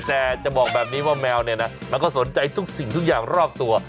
แต่จะบอกแบบนี้ว่าแมวเนี่ยนะมันก็สนใจทุกสิ่งทุกอย่างรอบตัว